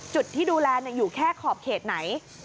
จุดที่ดูแลอยู่แค่ขอบเขตไหน